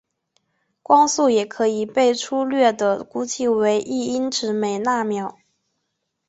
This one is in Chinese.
光速也可以被初略地估计为一英尺每纳秒。